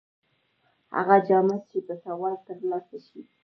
هغه جامه چې په سوال تر لاسه شي.